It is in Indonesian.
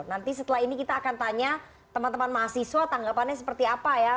nanti setelah ini kita akan tanya teman teman mahasiswa tanggapannya seperti apa ya